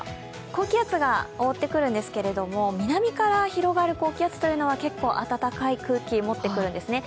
高気圧が覆ってくるんですけれども、南から広がる高気圧というのは結構、暖かい空気を持ってくるんですね。